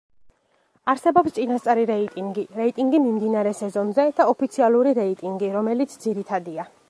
არსებობს წინასწარი რეიტინგი, რეიტინგი მიმდინარე სეზონზე და ოფიციალური რეიტინგი, რომელიც ძირითადია.